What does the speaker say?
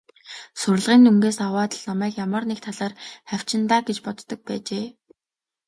Сурлагын дүнгээс аваад л намайг ямар нэг талаар хавчина даа гэж боддог байжээ.